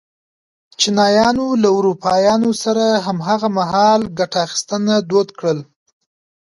چینایانو له اروپایانو سره هماغه مهال ګته اخیستنه دود کړل.